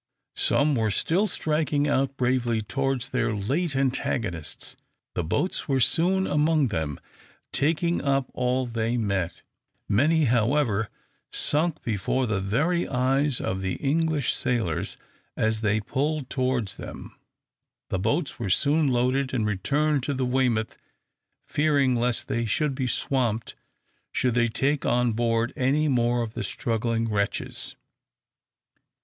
Some were still striking out bravely towards their late antagonists. The boats were soon among them, taking up all they met. Many, however, sunk before the very eyes of the English sailors, as they pulled towards them. The boats were soon loaded, and returned to the "Weymouth," fearing lest they should be swamped should they take on board any more of the struggling wretches.